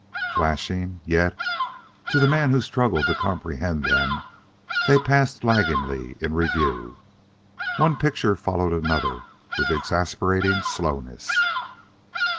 Flashing; yet, to the man who struggled to comprehend them, they passed laggingly in review: one picture followed another with exasperating slowness....